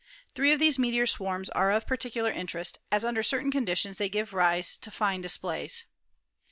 Three of these meteor swarms are of particular interest, as under certain conditions they give rise to fine displays.